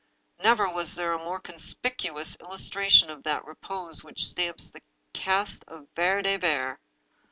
Never was there a more conspicuous illus tration of that repose which stamps the caste of Vere de Vere.